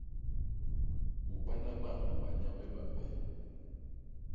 U bana bañ banyambe bape.